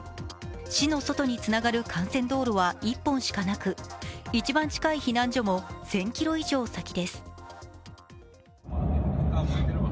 市の外につながる幹線道路は１本しかなく、一番近い避難所も１０００ｋｍ以上先です。